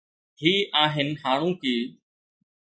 هي آهن هاڻوڪي.